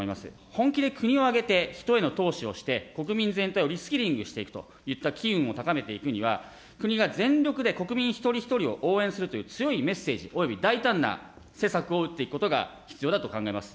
本気で国を挙げて人への投資をして、国民全体をリスキリングしていくといった機運を高めていくには、国が全力で国民一人一人を応援するという強いメッセージおよび大胆な施策を打っていくことが必要だと考えます。